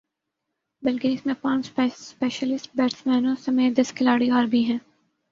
بلکہ اس میں پانچ اسپیشلسٹ بیٹسمینوں سمیت دس کھلاڑی اور بھی ہیں